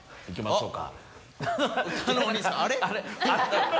そうか。